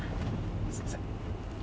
すいません。